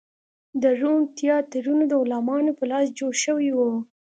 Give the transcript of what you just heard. د روم تیاترونه د غلامانو په لاس جوړ شوي و.